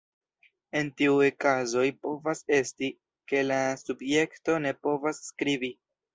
En tiuj kazoj povas esti, ke la subjekto ne povas skribi.